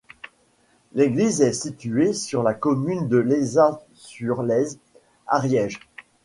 L'église est située sur la commune de Lézat-sur-Lèze, Ariège.